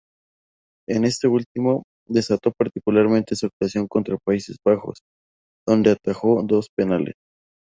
En este último, destacó particularmente su actuación contra Países Bajos, donde atajó dos penales.